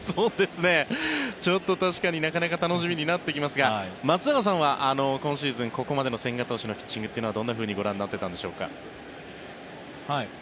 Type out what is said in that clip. ちょっと確かになかなか楽しみになってきますが松坂さんは今シーズンここまでの千賀投手のピッチングをどんなふうにご覧になってたんでしょうか。